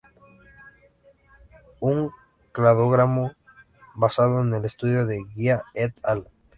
Un cladograma basado en el estudio de Jia "et al.